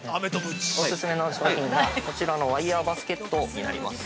お勧めの商品が、こちらのワイヤーバスケットになります。